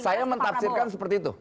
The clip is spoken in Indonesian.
saya mentafsirkan seperti itu